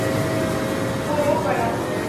وہ رو پڑا۔